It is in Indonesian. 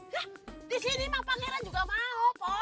ya disini emang pangeran juga mau po